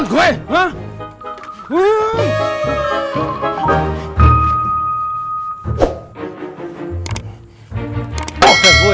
menggerak kristen moista